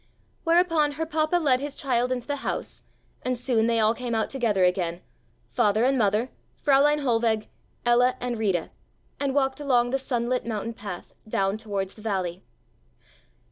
Whereupon her papa led his child into the house and soon they all came out together again, father and mother, Fräulein Hohlweg, Ella and Rita, and walked along the sunlit mountain path down towards the valley.